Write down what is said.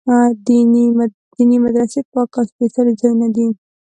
دیني مدرسې پاک او سپېڅلي ځایونه دي.